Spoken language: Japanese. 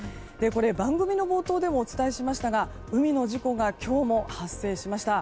番組の冒頭でもお伝えしましたが海の事故が今日も発生しました。